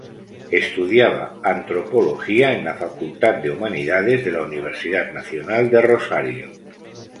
Estudiaba Antropología en la Facultad de Humanidades de la Universidad Nacional de Rosario.